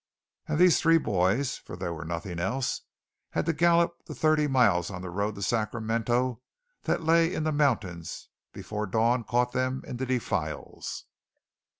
And these three boys, for they were nothing else, had to gallop the thirty miles of the road to Sacramento that lay in the mountains before dawn caught them in the defiles.